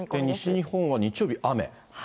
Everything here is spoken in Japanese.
西日本は日曜日雨？